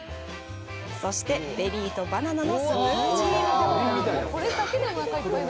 そして、ベリーとバナナのスムージーも。